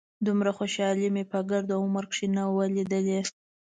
دومره خوشالي مې په ګرد عمر کښې نه وه ليدلې.